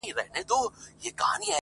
غوړېدلی به ټغر وي د خوښیو اخترونو؛